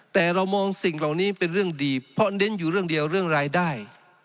แต่เรามองสิ่งเหล่านี้เป็นเรื่องดีเพราะเน้นอยู่เรื่องเดียวเรื่องรายได้